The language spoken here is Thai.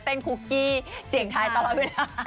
เต้นคุกกี้เสียงไทยตลอดเวลา